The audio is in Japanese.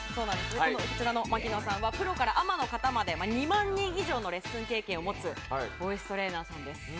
牧野さんはプロからアマの方まで２万人以上のレッスン経験を持つボイストレーナーです。